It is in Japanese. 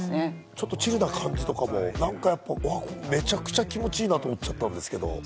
ちょっとチルな感じとかもめちゃくちゃ気持ちいいなと思っちゃったんですけど。